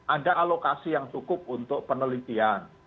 ada alokasi yang cukup untuk penelitian